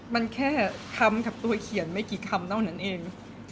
มันแค่คำกับตัวเขียนไม่กี่คำเท่านั้นเอง